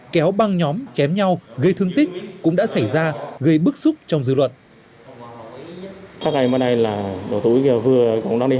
kéo băng nhóm chém nhau gây thương tích cũng đã xảy ra gây bức xúc trong dư luận